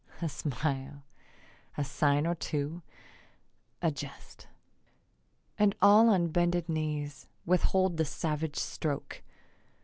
A smile, A sign or two, a jest, And all on bended knees Withhold the savage stroke.